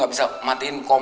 menuhi tersandung rakyat